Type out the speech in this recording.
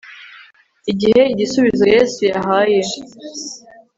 igihe igisubizo yesu yahaye